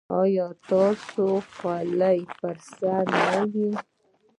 ایا ستاسو خولۍ به پر سر نه وي؟